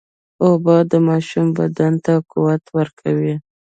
اوبه د ماشوم بدن ته قوت ورکوي.